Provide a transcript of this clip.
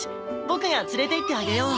ボクが連れて行ってあげよう！